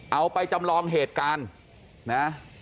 เอาไปจำลองเหตุการณ์นะ